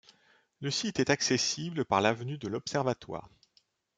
Le site est accessible par l'avenue de l'Observatoire.